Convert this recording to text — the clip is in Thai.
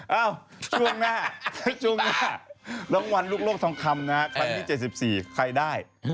เอ้าช่วงหน้าช่วงหน้ารางวัลลูกโลกทองคำนะครั้งที่๗๔ใครได้